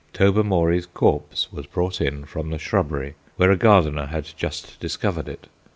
Tobermory's corpse was brought in from the shrubbery, where a gardener had just discovered it.